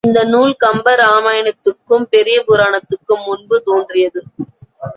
இந்த நூல் கம்பராமாயணத்துக்கும், பெரிய புராணத்துக்கும் முன்பு தோன்றியது.